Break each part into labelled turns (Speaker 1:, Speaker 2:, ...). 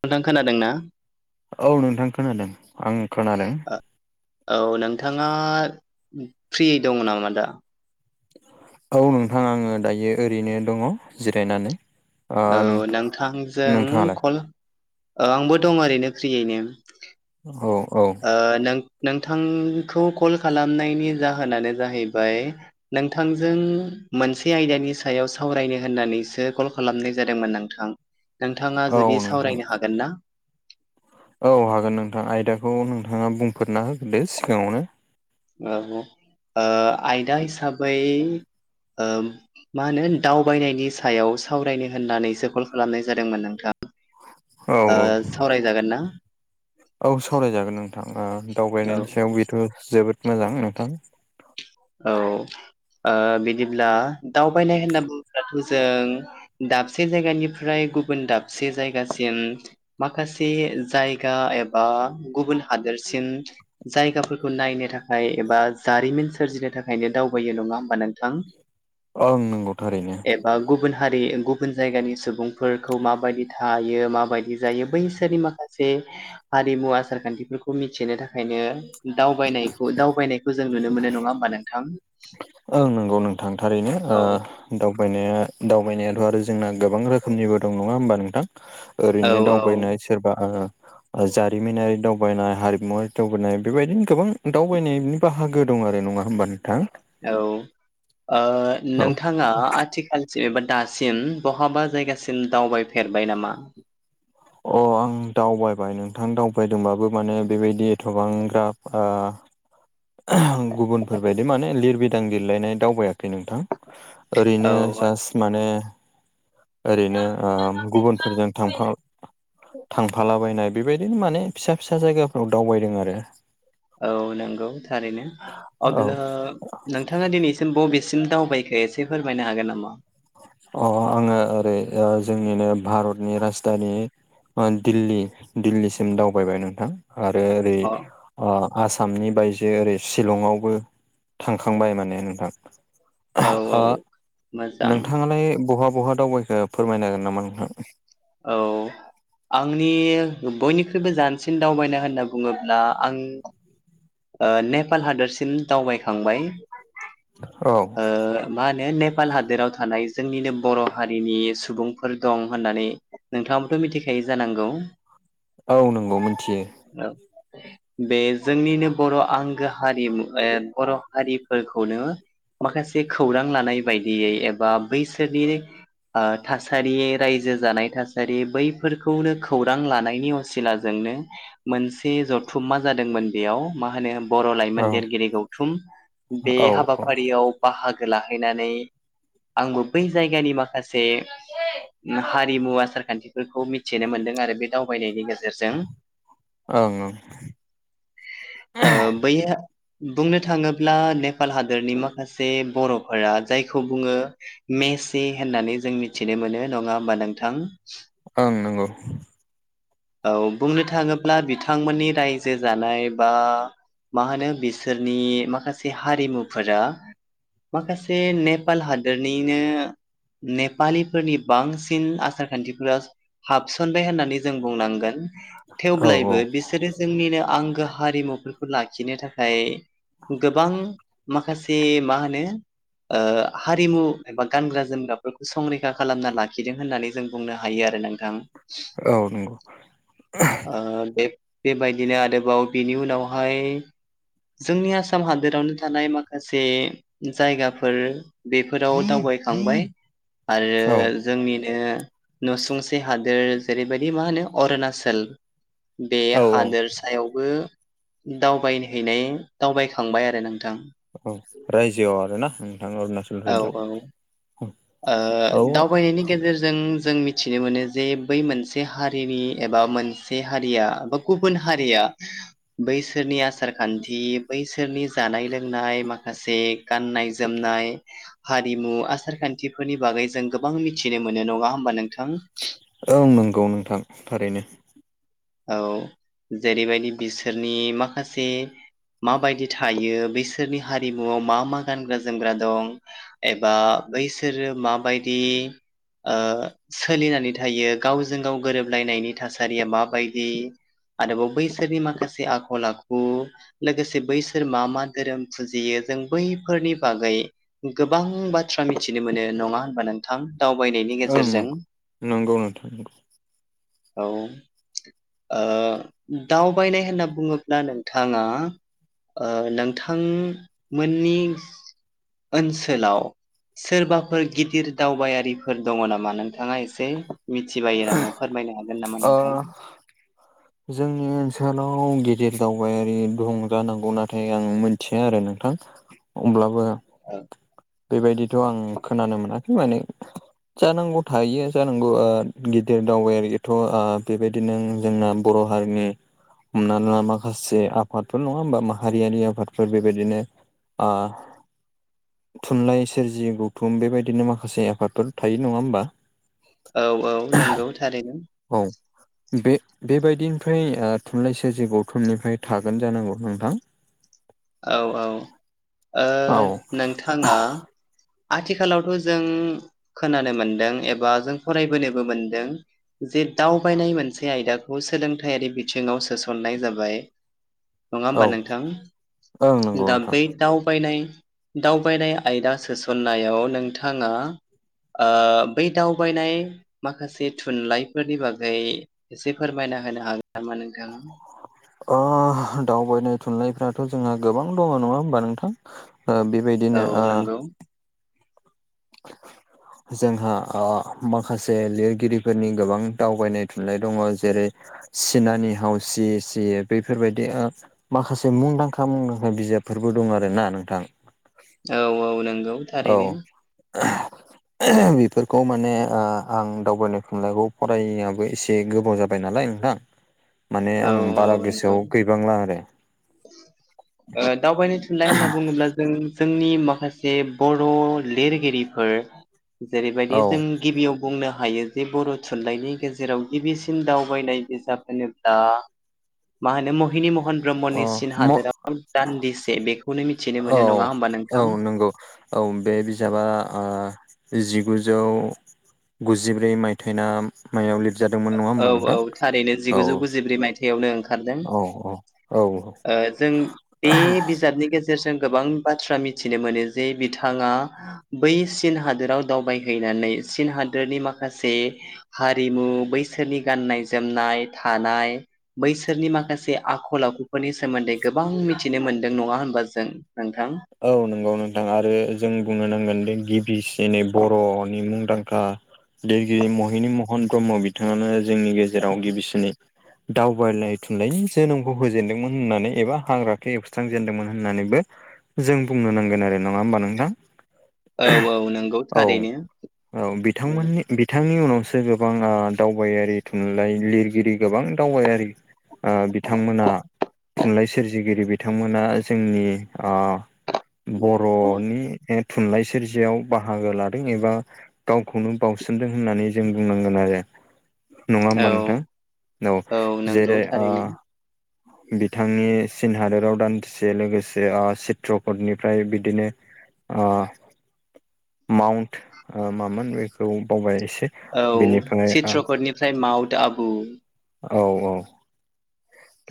Speaker 1: नोंथां खोनादों ना?
Speaker 2: औ नोंथां खोनादों आं खोनादों
Speaker 1: औ नोंथाङा फ्रि दं नामा दा
Speaker 2: औ नोंथां आङो दायो ओरैनो दङ जिरायनानै। ओ
Speaker 1: औ
Speaker 2: नों
Speaker 1: नोंथांजों
Speaker 2: नोंथाङालाय
Speaker 1: कल औ आंबो दं ओरैनो फ्रियैनो
Speaker 2: औ औ
Speaker 1: नों नोंथांखौ कल खालामनायनि जाहोनानो जाहैबाय नोंथांजों मोनसे आयदानि सायाव सावरायनो होननानैसो कल खालामनाय जादोंमोन नोंथां नोंथाङा
Speaker 2: औ
Speaker 1: जुदि
Speaker 2: नोंथां
Speaker 1: सावरायनो हागोन ना
Speaker 2: औ हागोन नोंथां आयदाखौ नोंथाङा बुंफोरना हो दे सिगाङावनो
Speaker 1: औ ओ आयदा हिसाबै ओ मा होनो दावबायनायनि सायाव सावरायनो होननानैसो खल खालामनाय जादोंमोन नोंथां
Speaker 2: औ
Speaker 1: ओ
Speaker 2: औ
Speaker 1: सावरायजागोन ना
Speaker 2: औ सावरायजागोन नोंथां
Speaker 1: औ
Speaker 2: दावबायनायनि सायाव बेथ' जोबोद मोजां नोंथां
Speaker 1: औ बिदिब्ला दावबायनाय होनना बुङोब्लाथ' जों दाबसे जायगानिफ्राय गुबुन दाबसे जायगासिम माखासे जायगा एबा गुबुन हादोरसिम जायगाफोरखौ नायनो थाखाय एबा जारिमिन सोरजिनो थाखाय थाखायनो दावबायो नङा होमबा नोंथां।
Speaker 2: ओं नंगौ थारैनो
Speaker 1: बा गुबुन हारि गुबुन जायगानि सुबुंफोरखौ माबायदि थायो माबायदि जायो बैसोरनि माखासे हारिमु आसार खान्थिफोरखौ मिथिनो थाखायनो दावबायनायखौ दावबायनायखौ जों नुनो मोनो नङा होमबा नोंथां।
Speaker 2: ओं नंगौ नोंथां थारैनो
Speaker 1: औ
Speaker 2: दावबायनाया दावबायनायाथ' आरो जोंना गोबां रोखोमनिबो दं नङा होमबा नोंथां
Speaker 1: औ
Speaker 2: ओरैनो
Speaker 1: औ
Speaker 2: दावबायनाय सोरबा जारिमिनारि दावबायनाय हारिमुवारि दावबायनाय बेबायदिनो गोबां दावबायनाय बाहागो दं आरो नङा होमबा नोंथां।
Speaker 1: औ ओ
Speaker 2: औ
Speaker 1: नोंथां आ आथिखालसिम एबा दासिम बहाबा जायगासिम दावबायफेरबाय नामा
Speaker 2: अ आं दावबाय नोंथां दावबायदोंबाबो माने बेबायदि एथ'बां ग्राब आ गुबुनफोर बायदि माने लिरबिदां लिरलायनाय दावबायाखै नोंथां
Speaker 1: औ
Speaker 2: ओरैनो जास्ट माने ओरैनो गुबुनफोरजों थांफा थांफालाबायनाय बेबायदिनो माने फिसा फिसा जायगाफ्राव दावबायदों आरो
Speaker 1: औ नंगौ थारैनो
Speaker 2: औ
Speaker 1: अब्ला नोंथाङा दिनैसिम बबेसिम दावबायखो एसे फोरमायनो हागोन नामा?
Speaker 2: अ आङो ओरै जोंनिनो भारतनि राजधानि दिल्ली दिल्लीसिम दावबायबाय नोंथां आरो ओरै
Speaker 1: अ
Speaker 2: आसामनि बायजो ओरै शिलंआवबो थांखांबाय माने नोंथां
Speaker 1: औ
Speaker 2: ओ
Speaker 1: औ मोजां
Speaker 2: नोंथाङालाय बहा बहा दावबायखो फोरमायनो हागोन नामा नोंथां।
Speaker 1: औ आंनि बयनिख्रुइबो जानसिन दावबायनाय होनना बुङोब्ला आं ओ नेपाल हादरसिम दावबायखांबाय
Speaker 2: औ
Speaker 1: ओ मा होनो नेपाल हादोराव थानाय जोंनिनो बर' हारिनि सुबुंफोर दं होननानै नोंथाङाबोथ' मिथिखायो जानांगौ
Speaker 2: औ नंगौ मिथियो
Speaker 1: औ बे जोंनिनो बर' आंगो हारिमु बर' हारिफोरखौनो माखासे खौरां लानाय बायदियै एबा बैसोरनि थासारि रायजो जानाय थासारि बैफोरखौनो खौरां लानायनि सिलानो मोनसे जथुम मा जादोंमोन बेयाव मा होन बर'
Speaker 2: औ
Speaker 1: लाइमोन लिरगिरि गौथुम बे
Speaker 2: औ ओं
Speaker 1: हाबाफारियाव बाहागो लाहैनानै आंबो बै जायगानि माखासे हारिमु आसार खान्थिफोरखौ मिथिनो मोनदों आरो बे दावबायनायनि गेजेरजों
Speaker 2: ओं औं
Speaker 1: बैया बुंनो थाङोब्ला नेपाल हादरनि मा खासे बर'फोरा जायखौ बुङो मेसि होननानै जों मिथिनो मोनो नङा होमबा नोंथां
Speaker 2: ओं नंगौ
Speaker 1: औ बुंनो थाङोब्ला बिथांमोननि रायजो जानाय बा मा होनो बिसोरनि माखासे हारिमुफोरा माखासे नेपाल हादरनिनो नेपालिफोरनि बांसिन आसार खान्थिफोरा हाबसनबाय होननानै जों बुंनांगोन
Speaker 2: औ औ
Speaker 1: थेब्लायबो बिसोरो जोंनिनो आंगो हारिमुफोरखौ लाखिनो थाखाय गोबां माखासे मा होनो ओ हारिमु एबा गानग्रा जोमग्राफोरखौ संरैखा खालामना लाखिदों होननानै जों बुंनो हायो आरो नोंथां
Speaker 2: औ नंगौ
Speaker 1: बे बेबायदिनो आरोबाव बिनि उनावहाय जोंनि आसाम हादोरावनो थानाय माखासे जायगाफोर बेफोराव दावबायखांबाय
Speaker 2: औ
Speaker 1: आरो जोंनिनो नसुंसे हादोर जेरैबायदि बे मा होनो अरुणाचल बे
Speaker 2: औ औ
Speaker 1: हादोरसायावबो दावबायहैनाय दावबायखांबाय आरो नोंथां
Speaker 2: औ रायजोआव आरो ना नोंथाङा अरुणचल
Speaker 1: औ औ
Speaker 2: औ
Speaker 1: दावबायनायनि गेजेरजों जों जों मिथिनो मोनो जे बै मोनसे हारिनि एबा मोनसे हारिया गुबुन हारिया बैसोरनि आसार खान्थि बैसोरनि जानाय लोंनाय माखासे गाननाय जोमनाय हारिमु आसार खान्थिफोरनि बागै जों गोबां मिथिनो मोनो नङा होनबा नोंथां
Speaker 2: औं नंगौ नोंथां थारैनो
Speaker 1: औ जेरैबायदि बिसोरनि माखासे माबायदि थायो बिैसोरनि हारिमुवआव मा मा गानग्रा जोमग्रा दं एबा बैसोरो माबायदि ओ सोलिनानै थायो गावजों गाव गोरोबलायनायनि थासारिया माबायदि आरोबाव बैसागनि माखासे आखल आखु लोगोसे बैसोर मा मा धोरोम फुजियो जों बैफोरनि बागै गोबां बाथ्रा मिथिनो मोनो नङा होनबा नोंथां दावबायनायनि
Speaker 2: ओं
Speaker 1: गेजेरजों
Speaker 2: नंगौ नोंथां नंगौ
Speaker 1: औ दावबायनाय होनना बुङोब्ला नोंथाङा नोंथांमोननि ओनसोलाव सोरबाफोर गिदिर दावबायारिफोर दङ नामा नोंथाङा एसे मिथिबायो नामा फोरमायनो हागोन नामा
Speaker 2: ओ
Speaker 1: नोंथाङा
Speaker 2: जोंनि ओनसोलाव गिदिर दावबायारि दंजानांगौ नाथाय आं मोनथिया आरो नोंथां होनब्लाबो
Speaker 1: औ
Speaker 2: बेबायदिथ' आं खोनानो मोनाखै माने जानांगौ थायो जानांगौ गिदिर दावबायेर एथ' बेबायदिनो जोंना बर' हारिनि हमनाा माखासे आफादफोर नङा होमबा माहारियारि आफादफोर बेबायदिनो आ थुनलाइ सोरजि गौथुम बेबायदिनो माखासे आफादफोर थायो नङा होमबा
Speaker 1: औ औ नंगौ थारैनो
Speaker 2: औ बे बेबायदिनिफ्राय थुनलाइ सोरजि गौथुमनिफ्राय थागोन जानांगौ नोंथां [inaudible]
Speaker 1: औ औ नोंथाङा आथिखालावथ' जों खोनानो मोनदों एबा जों फरायबोनोबो मोनदों जे दावबायनाय मोनसे आयदाखौ सोलोंथायारि बिथिङाव सोसननाय जाबाय नङा
Speaker 2: औ
Speaker 1: होमबा
Speaker 2: ओं
Speaker 1: नोंथां
Speaker 2: नंगौ
Speaker 1: दा
Speaker 2: नोंथां
Speaker 1: बै दावबायनाय दावबायनाय आयदा सोसननायाव नोंथाङा ओ बै दावबायनाय माखासे थुनलाइफोरनि बागै एसे फोरमायना होनो हागोन नामा नोंथाङा।
Speaker 2: अ दावबायनाय थुनलाइफ्राथ' जोंहा गोबां दङ' नङा होमबा नोंथां। ओ बेबायदिनो ओ
Speaker 1: औ नंगौ
Speaker 2: [inaudible] जोंहा ओ माखासे लिरगिरिफोरनि गोबां दावबायनाय थुनलाइ दङ' जेरै चीनानि हाव चिये चिये बेैफोर बायदि ओ माखासे मुंदांखा मुंदांखा बिजाबफोरबो दं आरो ना नोंथां।
Speaker 1: औ औ नंगौ।
Speaker 2: औ।
Speaker 1: थारैनो
Speaker 2: [inaudible] बेफोरखौ माने ओ आं दावबायनाय थुनलाइखौ फरायियाबो एसे गोबाव जाबाय नालाय नोंथां। माने
Speaker 1: औ
Speaker 2: आं बारा
Speaker 1: औ नंगौ
Speaker 2: गोसोआव गैबांला आरो।
Speaker 1: ओ दावबायनो थुनलाइ होनना बुङोब्ला जों जोंनि माखासे बर' लिरगिरिफोर जेरैबायदि
Speaker 2: औ
Speaker 1: जों गिबियाव बुंनो हायो जे बर' थुनलाइनि गेजेराव गिबिसिन दावबायनाय बिजाब होनो दा मा होनो महिनि मह महन
Speaker 2: अ
Speaker 1: ब्रह्मनि चीन
Speaker 2: म
Speaker 1: हादोराव दान्दिसे बेखौनो मिथिनो
Speaker 2: औ
Speaker 1: मोनो नङा होमबा नोंथां।
Speaker 2: औ नंगौ। औ बे बिजाबा ओ जिगुजौ गुजिब्रै मायथाइ ना मायाव लिरजादों
Speaker 1: औ औ थारैनो जिगुजौ गुजिब्रै मायथायवनो ओंखारदों।
Speaker 2: औ औ
Speaker 1: ओ जों बे बिज बिजाबनि गेजेरजों गोबां बाथ्रा मिथिनो मोनो जे बिथाङा बै चीन हादोराव दावबायहैनानै चीन हादोरनि माखासे हारिमु बैसोरनि गाननाय जोमनाय थानाय बैसोरनि माखासे आखल आखुफोरनि सोमोन्दै गोबां मिथिनो मोनदों नङा होनबा जों। नोंथां
Speaker 2: औ नंगौ नोंथां आरो जों बुंनो नांगोन बे गिबिसिनै बर'नि मुंदांखा लिरगिरि महिनि महन ब्रह्म बिथाङानो जोंनि गेजेराव गिबिसिननि दावबायलाय थुनलायनि जोनोमखौ होजेनदोंमोन होननानै एबा हाग्राखो एवस्रांजेनदोंमोन होननानैबो जों बुंनो नांगोन आरो नङा होमबा नोंथां।
Speaker 1: औ औ नंगौ
Speaker 2: औ
Speaker 1: थारैनो।
Speaker 2: औ बिथांमोननि बिथांनि उनावसो गोबां ओ दावबायारि थुनलाइ लिरगिरि गोबां दावबायारि ओ बिथांमोना थुनलाइ सोरजिगिरि बिथांमोना जोंनि ओ बर'नि ओ थुनलाइ सोरजियाव बाहागो लादों एबा गावखौनो बाउसोमदों होननानै जों बुंनांगोन आरो। नङा होमबा
Speaker 1: औ
Speaker 2: नोंथां औ
Speaker 1: नंगौ
Speaker 2: जेरै ओ
Speaker 1: थारैनो
Speaker 2: बिथांनि चीन हादोराव दान्थिसे लोगोसे ओ ची चित्रपदनिफ्राय बिदिनो ओ माउन्ट ओ मामोन बेखौ बावबाय एसे
Speaker 1: औ
Speaker 2: बेनिफ्राय ओ
Speaker 1: चित्रपटनिफ्राय माउन्ट आबु
Speaker 2: औ औ।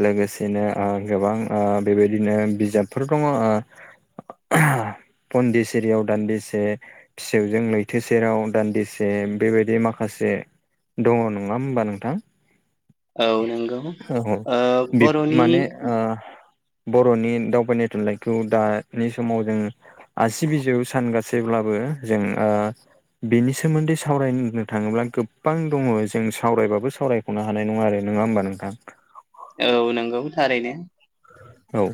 Speaker 2: लोगोसेनो ओ गोबां ओ बेबायदिनो बिजाबफोर दङ' ओ [inaudible] पन्दिसिरियाव दान्दिसे फिसौजों लैथो सेराव दान्दिसे बेबायदि माखासे दङ' नोङा होमबा नोंथां।
Speaker 1: औ नंगौ औ।
Speaker 2: बि माने बर'नि दावबायनाय थुनलाइखौ दानि समाव जों आसि बिजौ सानगासैब्लाबो जों बेनि सोमोन्दै सावरायनो थाङोब्ला गोबां दङ जों सावरायबाबो सावराय खनो हानाय नङा आरो नङा होमबा नोंथां
Speaker 1: औ नंगौ थारैनो
Speaker 2: औ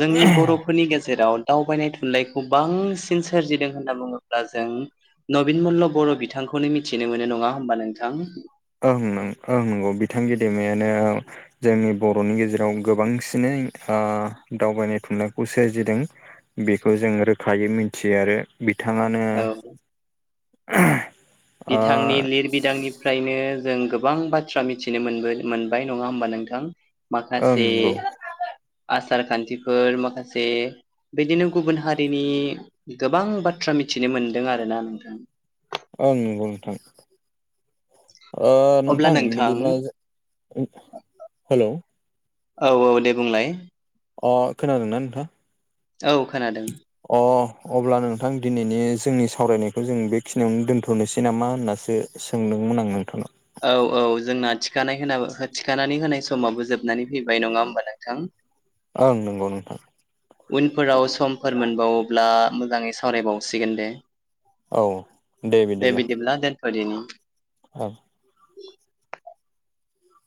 Speaker 1: जोंनि बर' फोरनि गेजेराव दावबायनाय थुनलाइखौ बांसिन सोरजिदों होनना बुङोब्ला जों नबिन मल्ल बर' बिथांखौनो मिथिनो मोनो नङा होनबा नोंथां
Speaker 2: ओंं ओं नंगौ बिथां गेदेमायानो औ जोंनि बर'नि गेजेराव गोबांसिनै दावबायनाय थुनलाइखौ सोरजिदों बेखौ जों रोखायै मिथियो आरो बिथाङानो
Speaker 1: औ
Speaker 2: ओ
Speaker 1: बिथांनि लिर बिदांनिफ्रायनो जों गोबां बाथ्रा मिथिनो मोन मोनबाय नङा होमबा नोंथां
Speaker 2: ओं
Speaker 1: माखासे
Speaker 2: नंगौ
Speaker 1: आसार खान्थिफोर माखासे बिदिनो गुबुन हारिनि गोबां बाथ्रा मिथिनो मोनदों आरोना नोंथां
Speaker 2: ओं नंगौ नोंथां ओ नोंथां बिदिब्ला हेल'
Speaker 1: औ औ दे बुंलाय
Speaker 2: अ खोनादोंना नोंथां
Speaker 1: औ खोनादों
Speaker 2: अ अब्ला नोंथां दिनैनि जोंनि सावरायनायखौ जों बेखिनियावनो दोन्थ'नोसै नामा होननासो सोंदोंमोन आं नोंथांनाव
Speaker 1: औ औ जोंना थिखानाय होनो थिखानानै होनाय समाबो जोबनानै फैबाय नङा होमबा नोंथां
Speaker 2: ओं नंगौ नोंथां
Speaker 1: उनफोराव समफोर मोनबावोब्ला मोजाङै सावरायबावसिगोन दे
Speaker 2: औ
Speaker 1: दे बिदिब्ला दोनथ दिनि
Speaker 2: औ